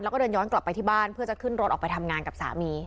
แล้วก็เดินย้อนกลับไปที่บ้านเพื่อจะขึ้นรถออกไปทำงานกับสามี